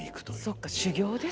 そっか修業ですね。